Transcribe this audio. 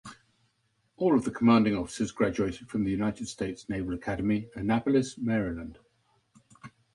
All of the Commanding officers graduated from The United States Naval Academy, Annapolis, Maryland.